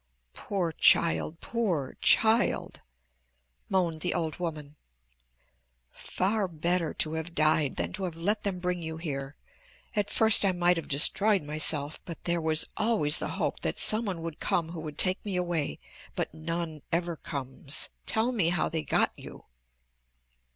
"Poor child! Poor child!" moaned the old woman. "Far better to have died than to have let them bring you here. At first I might have destroyed myself but there was always the hope that someone would come who would take me away, but none ever comes. Tell me how they got you."